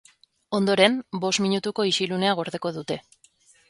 Ondoren, bost minutuko isilunea gordeko dute.